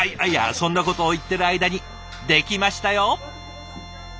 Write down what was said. そんなことを言ってる間に出来ましたよ。